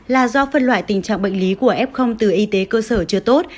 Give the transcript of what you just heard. là do phân loại tình trạng bệnh lý của f từ y tế cơ sở chưa tốt